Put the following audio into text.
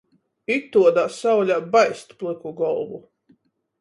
Ituodā saulē baist plyku golvu.